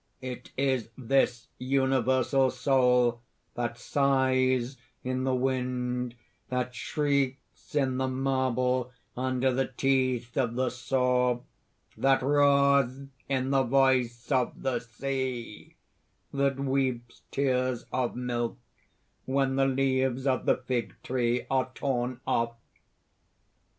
It is this universal soul that sighs in the wind that shrieks in the marble under the teeth of the saw that roars in the voice of the sea that weeps tears of milk when the leaves of the fig tree are torn off.